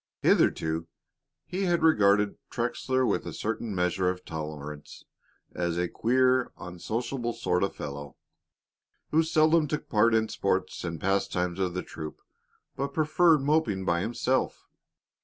Hitherto he had regarded Trexler with a certain measure of tolerance as a queer, unsociable sort of fellow, who seldom took part in the sports and pastimes of the troop, but preferred moping by himself.